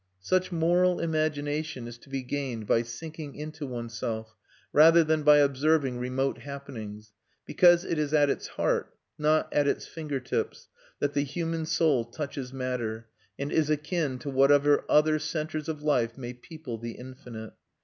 Such moral imagination is to be gained by sinking into oneself, rather than by observing remote happenings, because it is at its heart, not at its fingertips, that the human soul touches matter, and is akin to whatever other centres of life may people the infinite.